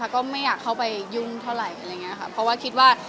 ผมก็ยอมรับว่า